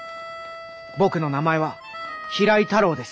僕の名前は平井太郎です。